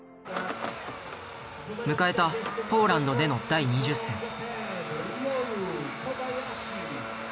迎えたポーランドでの第２０戦。